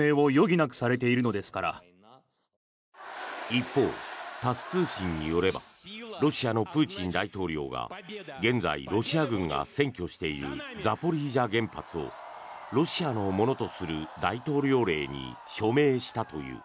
一方、タス通信によればロシアのプーチン大統領が現在、ロシア軍が占拠しているザポリージャ原発をロシアのものとする大統領令に署名したという。